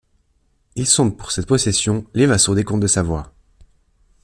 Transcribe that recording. Ils sont pour cette possession les vassaux des comtes de Savoie.